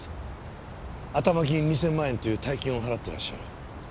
頭金２０００万円という大金を払ってらっしゃる。